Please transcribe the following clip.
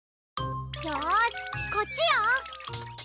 よしこっちよ！